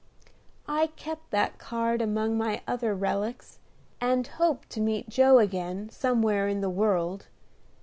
I kept that card among my other relics, and hoped to meet Joe again somewhere in the world.